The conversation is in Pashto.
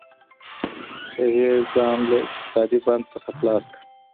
هغې ځان له اقتصادي بند څخه خلاص کړ.